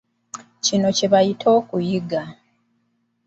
Kino kye bayita okuyiga.